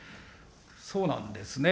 そうなんですね。